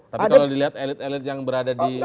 tapi kalau dilihat elit elit yang berada di